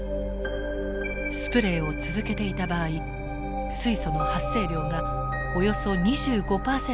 スプレイを続けていた場合水素の発生量がおよそ２５％減少。